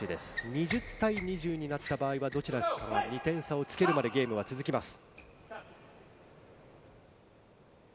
２０対２０になった場合は、どちらかが２点差をつけるまでゲームが続きます。